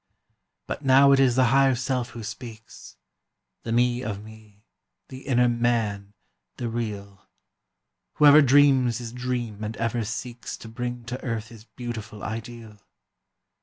But now it is the Higher Self who speaks— The Me of me—the inner Man—the real— Whoever dreams his dream and ever seeks To bring to earth his beautiful ideal.